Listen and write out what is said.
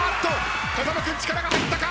風間君力が入ったか！？